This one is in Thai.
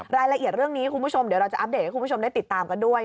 รายละเอียดเรื่องนี้คุณผู้ชมเดี๋ยวเราจะอัปเดตให้คุณผู้ชมได้ติดตามกันด้วย